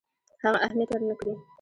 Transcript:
هغه اهمیت ورنه کړي.